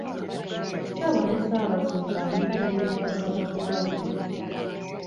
Ssebo ne Ssaabasumba anyumirwa ennyimba za Bobi Wine!